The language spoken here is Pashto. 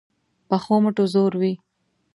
پخو مټو زور وي